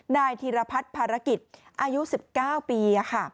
นายธีรพัฒน์ภารกิจอายุ๑๙ปี